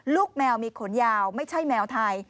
ลูกแมวมีขนยาวไม่ใช่แมวไทย